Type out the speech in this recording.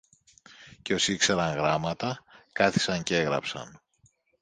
Και όσοι ήξεραν γράμματα κάθισαν κι έγραψαν.